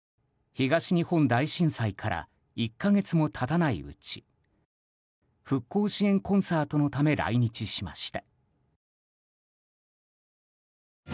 東日本大震災から１か月も経たないうち復興支援コンサートのため来日しました。